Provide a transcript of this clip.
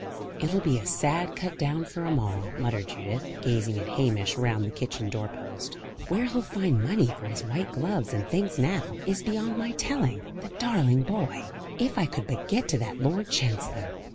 "It'll be a sad cut down for 'em all," muttered Judith, gazing at Hamish round the kitchen door post. "Where he'll find money for his white gloves and things now, is beyond my telling, the darling boy! If I could but get to that Lord Chancellor!"